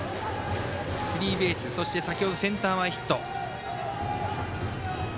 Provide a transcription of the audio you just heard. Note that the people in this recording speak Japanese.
スリーベース、そして先ほどセンター前ヒット。